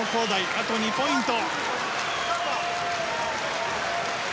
あと２ポイント。